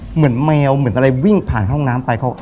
เหมือนแมวเหมือนอะไรวิ่งผ่านเข้าห้องน้ำไป